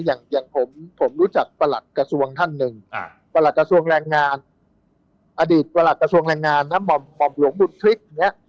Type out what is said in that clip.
อย่างผมรู้จักประหลักกระทรวงท่านนึงประหลักกระทรวงแรงงานอดีตประหลักกระทรวงแรงงานนะหมอบหลวงบุธฤษ